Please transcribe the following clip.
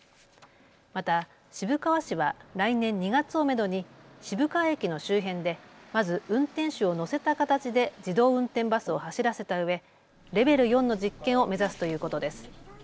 また渋川市は来年２月をめどに渋川駅の周辺で、まず運転手を乗せた形で自動運転バスを走らせたうえ、レベル４の実験を目指すということです。